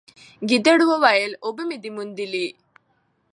ګیدړ وویل اوبه مي دي میندلي